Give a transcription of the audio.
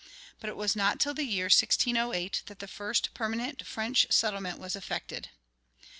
But it was not till the year 1608 that the first permanent French settlement was effected.